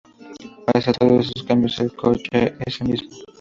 Pese a todos estos cambios, el coche en sí es el mismo.